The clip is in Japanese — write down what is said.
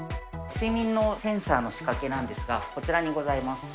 睡眠のセンサーの仕掛けなんですが、こちらにございます。